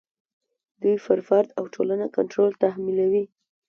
دوی پر فرد او ټولنه کنټرول تحمیلوي.